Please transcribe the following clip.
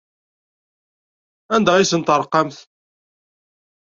Anda ay asen-terqamt?